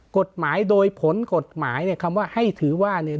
กฎหมายโดยผลกฎหมายเนี่ยคำว่าให้ถือว่าเนี่ย